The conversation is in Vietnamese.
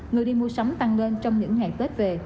người đi mua sắm tăng lên trong những ngày tết về